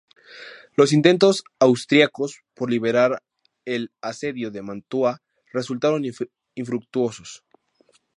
Los intentos austriacos por liberar el asedio de Mantua resultaron infructuosos.